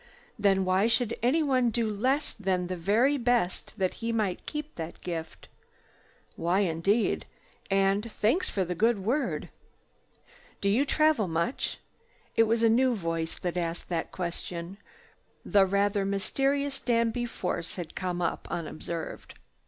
Then why should anyone do less than the very best that he might keep that gift?" "Why indeed? And thanks for the good word." "Do you travel much?" It was a new voice that asked this question. The rather mysterious Danby Force had come up unobserved.